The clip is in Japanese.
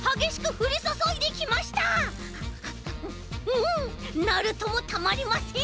うんナルトもたまりません！